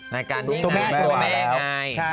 รายการที่น่าตัวแม่ไง